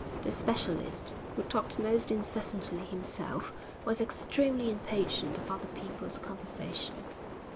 The specialist, who talked most incessantly himself, was extremely impatient of other people's conversation.